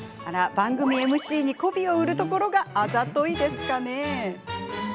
番組ＭＣに、こびを売るところがあざといですかね？